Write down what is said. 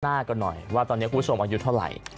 กันหน่อยว่าตอนนี้คุณผู้ชมอายุเท่าไหร่